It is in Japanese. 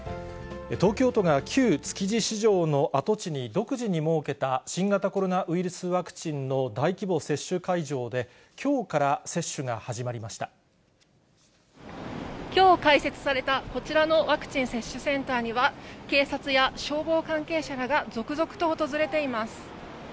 東京都が旧築地市場の跡地に独自に設けた、新型コロナウイルスワクチンの大規模接種会場で、きょうから接種きょう開設されたこちらのワクチン接種センターには、警察や消防関係者らが続々と訪れています。